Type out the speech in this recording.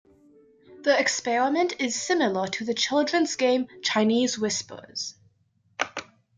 The experiment is similar to the children's game Chinese whispers.